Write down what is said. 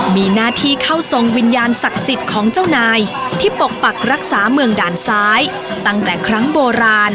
มีหน้าที่เข้าทรงวิญญาณศักดิ์สิทธิ์ของเจ้านายที่ปกปักรักษาเมืองด่านซ้ายตั้งแต่ครั้งโบราณ